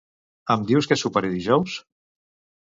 Em dius què soparé dijous?